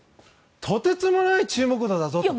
とてつもない注目度だと。